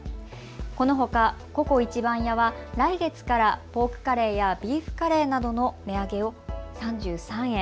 このほかＣｏＣｏ壱番屋は来月からポークカレーやビーフカレーなどの値上げを３３円。